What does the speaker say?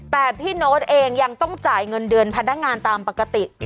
แต่พี่โน๊ตเองยังต้องจ่ายเงินเดือนพนักงานตามปกติ